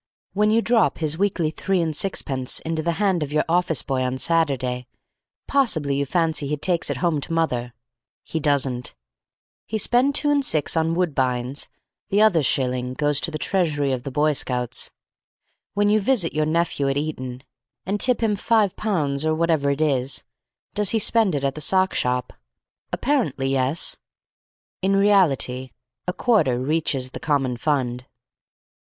When you drop his weekly three and sixpence into the hand of your office boy on Saturday, possibly you fancy he takes it home to mother. He doesn't. He spend two and six on Woodbines. The other shilling goes into the treasury of the Boy Scouts. When you visit your nephew at Eton, and tip him five pounds or whatever it is, does he spend it at the sock shop? Apparently, yes. In reality, a quarter reaches the common fund.